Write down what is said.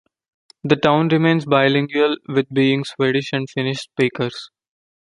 The town remains bilingual with being Swedish and Finnish speakers.